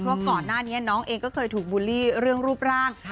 ว่าก่อนหน้านี้น้องเองก็เคยถูกบูลลี่เรื่องรูปร่าง